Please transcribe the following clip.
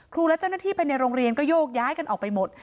และเจ้าหน้าที่ไปในโรงเรียนก็โยกย้ายกันออกไปหมด